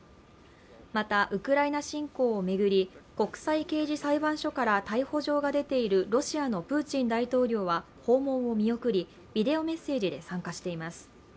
また、ウクライナ侵攻をめぐり、国際刑事裁判所から逮捕状が出ているロシアのプーチン大統領は訪問を見送りビデオメッセージで参加しています。